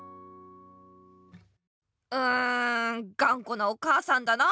うんがんこなお母さんだなあ。